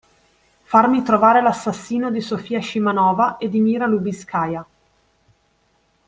Farmi trovare l'assassino di Sofia Scimanova e di Mira Lubiskaja.